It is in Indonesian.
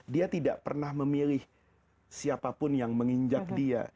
dia tidak pernah memilih siapapun yang menginjak dia